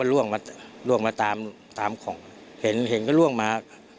แล้วคนก็ล่วงมาตามของเห็นก็ล่วงมา